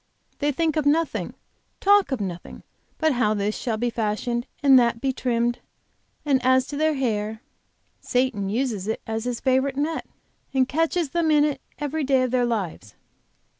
They think of nothing, talk of nothing but how this shall be fashioned and that be trimmed; and as to their hair, Satan uses it as his favorite net, and catches them in it every day of their lives."